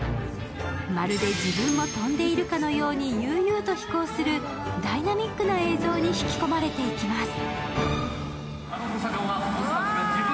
まるで自分も飛んでいるかのように悠々と飛行するダイナミックな映像に引き込まれていきます。